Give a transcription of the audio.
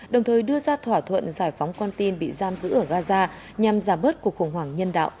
đồng thời đưa ra thỏa thuận giải phóng quan tin bị giam giữ ở gaza nhằm giảm bớt cuộc khủng hoảng nhân đạo tại đây